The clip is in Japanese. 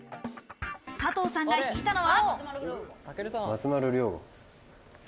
佐藤さんが引いたのは。